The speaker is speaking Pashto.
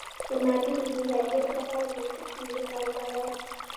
د معدې د تیزابیت لپاره د څه شي ریښه وکاروم؟